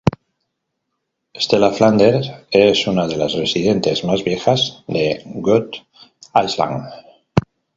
Stella Flanders es una de las residentes más viejas de Goat Island.